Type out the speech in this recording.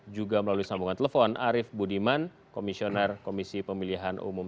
juga melalui sambungan telepon arief budiman komisioner komisi pemilihan umum